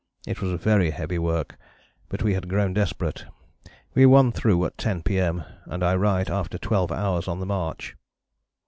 It was very heavy work, but we had grown desperate. We won through at 10 P.M., and I write after 12 hours on the march...."